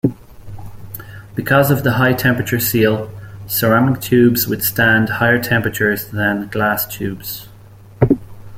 Because of the high-temperature seal, ceramic tubes withstand higher temperatures than glass tubes.